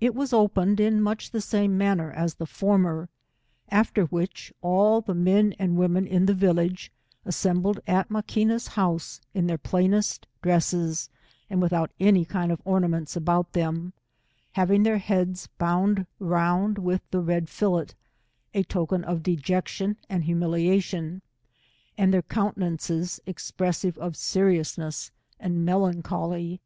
It was opened in much the same manner as the former. After which, all the men and women in the viljage a^embled at Maquina's house, in their plainest dresses, and without any kind of ornaments about them, having their heads bound around with the red fillet, a token of dejection and humiliation, and their countenances expressive of seriousness and melancholy.